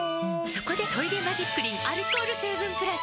そこで「トイレマジックリン」アルコール成分プラス！